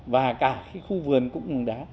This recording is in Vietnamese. và cả khu vườn cũng bằng đá